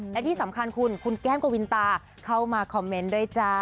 และที่สำคัญคุณคุณแก้มกวินตาเข้ามาคอมเมนต์ด้วยจ้า